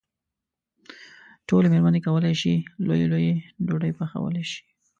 ټولې مېرمنې کولای شي لويې لويې ډوډۍ پخولی شي.